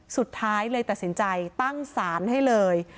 สุดท้ายเลยตัดสินใจตั้งศาลให้เลย